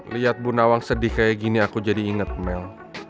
lihat bu nawang sedih kayak gini aku jadi inget mel